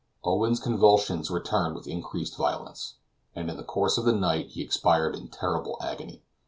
Owen's convulsions returned with increased violence, and in the course of the night he expired in terrible agony.